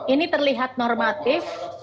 ini terlihat normatif